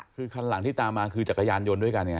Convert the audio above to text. คือคันหลังที่ตามมาคือจักรยานยนต์ด้วยกันไง